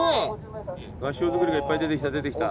合掌造りがいっぱい出てきた出てきた。